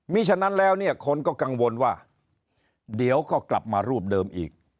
มีฉะนั้นแล้วเนี่ยคนก็กังวลว่าเดี๋ยวก็กลับมารูปเดิมอีก